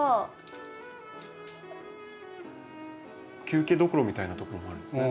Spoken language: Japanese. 休憩どころみたいなところもあるんですね。